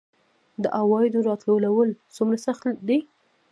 د عوایدو راټولول څومره سخت دي؟